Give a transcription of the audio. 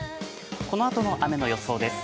このあとの雨の予想です。